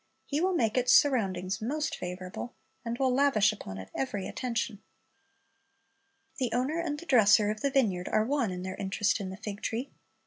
He will make its surroundings most favorable, and will lavish upon it every attention. The owner and the dresser of the vineyard are one in their interest in the fig tree.